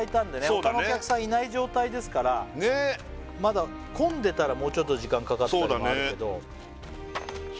ほかのお客さんいない状態ですからまだ混んでたらもうちょっと時間かかったりもあるけどそうだね